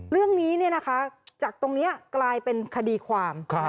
เรื่องนี้จากตรงนี้กลายเป็นคดีความ